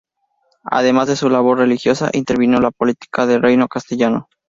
Además de su labor religiosa, intervino en la política del reino castellano.